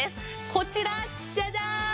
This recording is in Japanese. こちらジャジャーン！